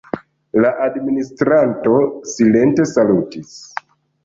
La administranto silente salutis.